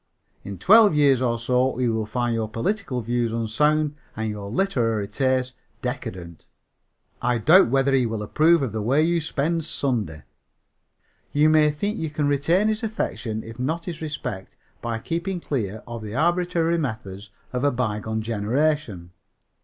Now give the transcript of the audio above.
In twelve years or so he will find your political views unsound and your literary tastes decadent. I doubt whether he will approve of the way you spend Sunday. "You may think you can retain his affection, if not his respect, by keeping clear of the arbitrary methods of a bygone generation.